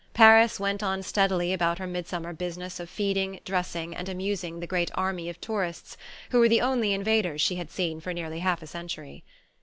Paris went on steadily about her mid summer business of feeding, dressing, and amusing the great army of tourists who were the only invaders she had seen for nearly half a century.